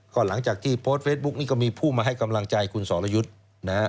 ก็หลังจากที่โพสต์เฟซบุ๊กนี้ก็มีผู้มาให้กำลังใจคุณสอรยุทธ์นะฮะ